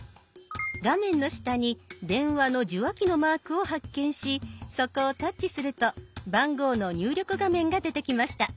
画面の下に電話の受話器のマークを発見しそこをタッチすると番号の入力画面が出てきました。